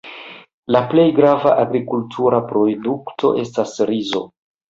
La plej grava agrikultura produkto estas rizo.